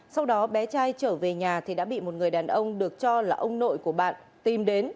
sau đó bé trai trở về nhà thì đã bị một người đàn ông được cho là ông nội của bạn tìm đến